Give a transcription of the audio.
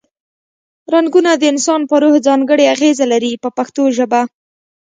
رنګونه د انسان په روح ځانګړې اغیزې لري په پښتو ژبه.